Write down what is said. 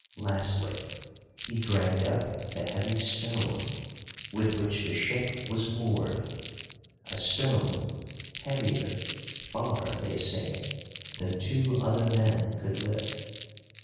Lastly he dragged up the heavy stone with which the ship was moored, a stone heavier far, they say, than two other men could lift.